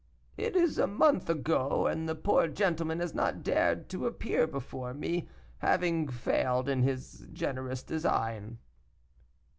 "It is a month ago, and the poor gentleman has not dared to appear before me, having failed in his generous design."